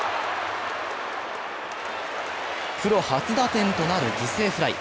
プロ初打点となる犠牲フライ。